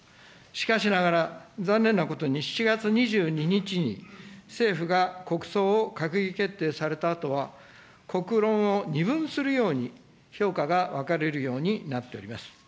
しかしながら、残念なことに７月２２日に政府が国葬を閣議決定されたあとは、国論を二分するように、評価が分かれるようになっております。